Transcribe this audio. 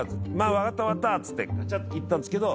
分かった分かったっつってガチャッて切ったんですけど